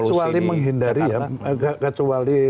kecuali menghindari ya kecuali